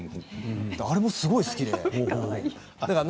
あれもすごい好きで。